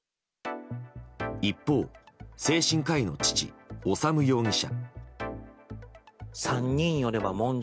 一方、精神科医の父・修容疑者。